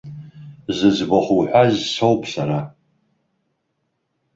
Зыӡбахә уҳәаз соуп сара!